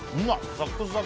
サクサク！